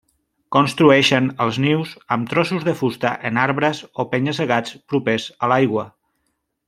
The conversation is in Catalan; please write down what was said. Construeixen els nius amb trossos de fusta en arbres o penya-segats propers a l'aigua.